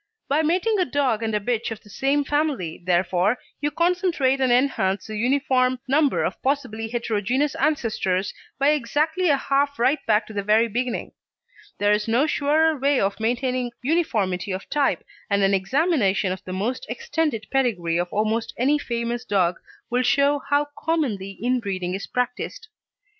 By mating a dog and a bitch of the same family, therefore, you concentrate and enhance the uniform inheritable qualities into one line instead of two, and you reduce the number of possibly heterogeneous ancestors by exactly a half right back to the very beginning. There is no surer way of maintaining uniformity of type, and an examination of the extended pedigree of almost any famous dog will show how commonly inbreeding is practised.